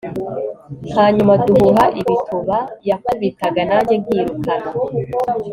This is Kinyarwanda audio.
hanyuma duhuha ibituba; yakubitaga nanjye nkirukana